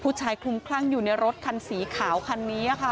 ชายคลุมคลั่งอยู่ในรถคันสีขาวคันนี้ค่ะ